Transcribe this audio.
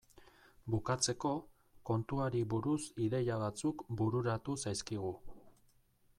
Bukatzeko, kontuari buruz ideia batzuk bururatu zaizkigu.